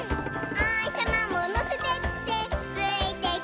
「おひさまものせてってついてくるよ」